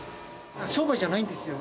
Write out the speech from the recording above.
商売じゃないんですよ。